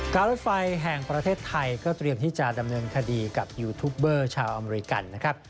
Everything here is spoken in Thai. รถไฟแห่งประเทศไทยก็เตรียมที่จะดำเนินคดีกับยูทูปเบอร์ชาวอเมริกันนะครับ